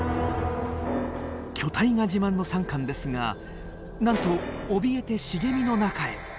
巨体が自慢のサンカンですがなんとおびえて茂みの中へ。